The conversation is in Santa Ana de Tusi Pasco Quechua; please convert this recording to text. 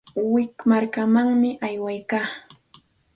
Wik markamanmi aywaykaa.